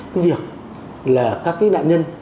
cái việc là các nạn nhân